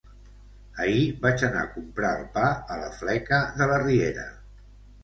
Ahir vaig anar a comprar el pa a la fleca de la riera.